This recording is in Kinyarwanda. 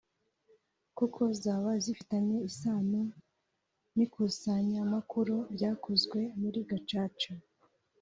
koko zaba zifitanye isano n’ikusanyamakuru ryakozwe muri Gacaca